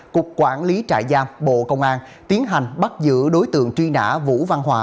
cục quản lý trại giam bộ công an tiến hành bắt giữ đối tượng truy nã vũ văn hòa